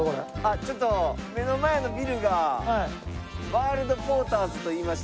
ちょっと目の前のビルがワールドポーターズといいまして。